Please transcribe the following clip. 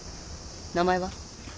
名前は？